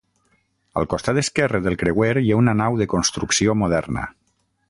Al costat esquerre del creuer hi ha una nau de construcció moderna.